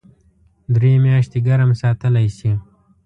درې میاشتې ګرم ساتلی شي .